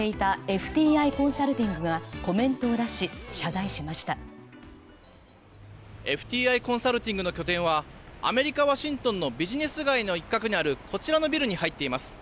ＦＴＩコンサルティングの拠点はアメリカ・ワシントンのビジネス街の一角にあるこちらのビルに入っています。